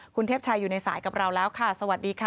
คุณเทพชัยอยู่ในสายกับเราแล้วค่ะสวัสดีค่ะ